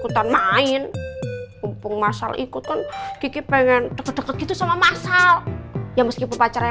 ikutan main mumpung masal ikutan kiki pengen deket deket gitu sama masal yang meskipun pacarnya